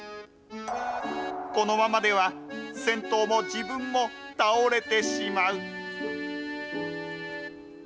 このままでは、銭湯も自分も倒れてしまう。